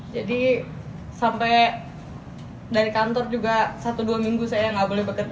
jadi sampai dari kantor juga satu dua minggu saya tidak boleh bekerja